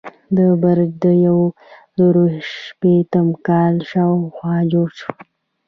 دا برج د یو زرو شپیتم کال شاوخوا جوړ شو.